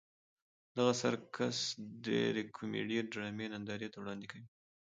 دغه سرکس ډېرې کومیډي ډرامې نندارې ته وړاندې کوي.